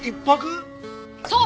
そう！